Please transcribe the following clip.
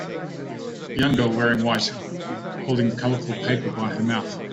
Young girl wearing white holding colorful paper by her mouth.